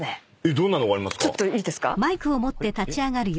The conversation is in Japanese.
どんなのがありますか？